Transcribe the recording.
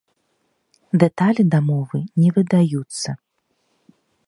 Дэталі дамовы не выдаюцца.